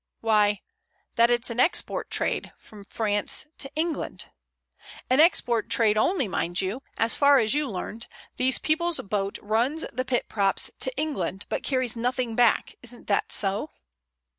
"Why, that it's an export trade from France to England—an export trade only, mind you. As far as you learned, these people's boat runs the pit props to England, but carries nothing back. Isn't that so?"